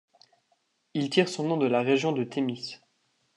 Il tire son nom de la région de Thémis.